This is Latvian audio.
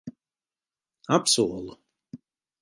Apsolu.